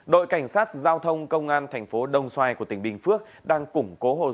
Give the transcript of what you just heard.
đội cảnh sát giao thông công an thành phố đồng xoài của tỉnh bình phước đang củng cố hồ sơ